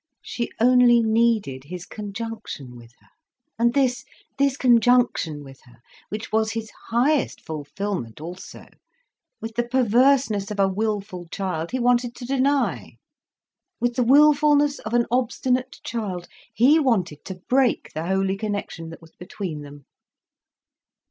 She only needed his conjunction with her. And this, this conjunction with her, which was his highest fulfilment also, with the perverseness of a wilful child he wanted to deny. With the wilfulness of an obstinate child, he wanted to break the holy connection that was between them.